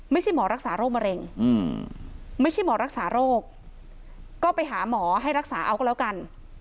ไม่ใช่หมอรักษาโรคมะเร็งไม่ใช่หมอรักษาโรคก็ไปหาหมอให้รักษาเอาก็แล้วกัน